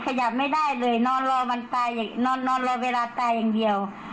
ขยับไม่ได้เลยนอนรอเวลาตายอย่างเดียว